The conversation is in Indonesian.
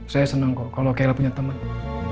saya seneng kok kalau kayla punya teman ya